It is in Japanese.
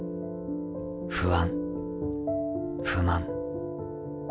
不安、不満。